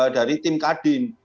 dari tim kadin